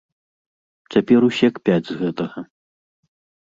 Цяпер усе кпяць з гэтага.